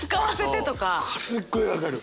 すっごい分かる。